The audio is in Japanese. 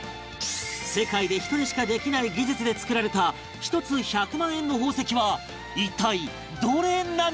世界で１人しかできない技術で作られた１つ１００万円の宝石は一体どれなのか？